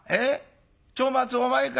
長松お前か？